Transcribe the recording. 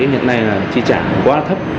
hiện nay là trị trả quá thấp